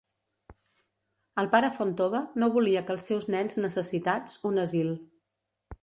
El Pare Fontova no volia que els seus nens necessitats, un asil.